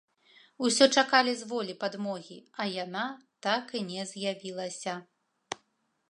Усё чакалі з волі падмогі, а яна так і не з'явілася.